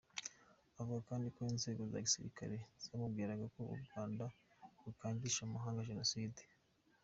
Avuga kandi ko inzego za gisirikare zamubwiraga ko u Rwanda rukangisha amahanga Jenoside.